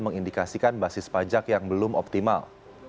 mengindikasikan basis pajak yang belum optimal